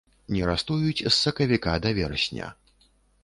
Нерастуюць з сакавіка да верасня.